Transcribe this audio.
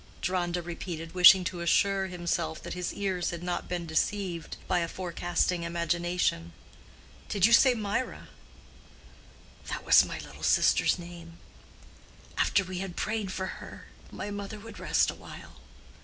Deronda repeated, wishing to assure, himself that his ears had not been deceived by a forecasting imagination. "Did you say Mirah?" "That was my little sister's name. After we had prayed for her, my mother would rest awhile.